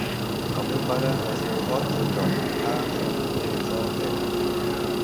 El meu pare es diu Ot Anton: a, ena, te, o, ena.